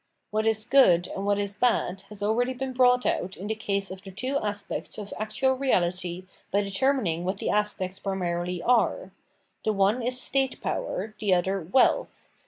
What is Good and what is Bad has already been brought out in the case of the two aspects of actual reahty by determin ing what the aspects primarily are; the one is state power, the other wealth.